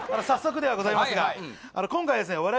早速ではございますが今回ですね